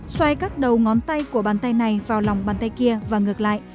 xoay các đầu ngón tay của bàn tay này vào lòng bàn tay kia và ngược lại